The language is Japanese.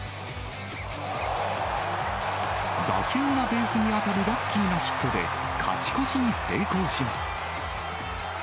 打球がベースに当たるラッキーなヒットで、勝ち越しに成功します。